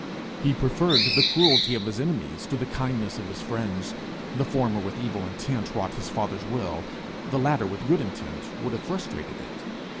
He preferred the cruelty of his enemies to the kindness of his friends. The former with evil intent wrought his father's will; the latter with good intent would have frustrated it.